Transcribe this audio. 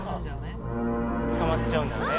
・捕まっちゃうんだよね。